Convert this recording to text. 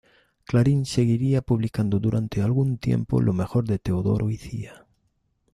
Clarín seguiría publicando durante algún tiempo lo mejor de Teodoro y Cía.